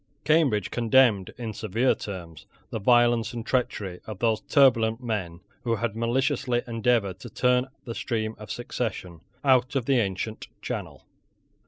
Cambridge condemned, in severe terms, the violence and treachery of those turbulent men who had maliciously endeavoured to turn the stream of succession out of the ancient channel.